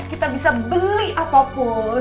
kita bisa beli apapun